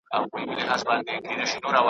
اوسېدلی نه په جبر نه په زور وو .